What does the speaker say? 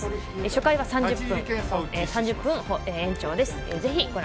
初回は３０分延長です。